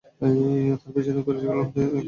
তার পেছনে কুরাইশ গোলামদের একটি দলও ছিল।